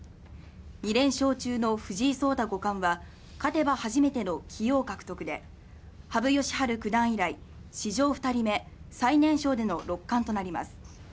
２連勝中の藤井聡太五冠は勝てば初めての棋王獲得で羽生善治九段以来、史上２人目、最年少での六冠となります。